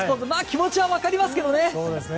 気持ちは分かりますけどね。